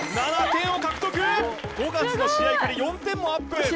７点を獲得５月の試合から４点もアップ！